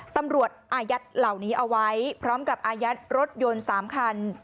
อายัดเหล่านี้เอาไว้พร้อมกับอายัดรถยนต์๓คัน